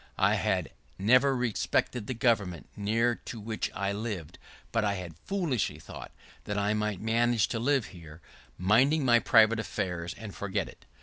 I had never respected the government near to which I lived, but I had foolishly thought that I might manage to live here, minding my private affairs, and forget it.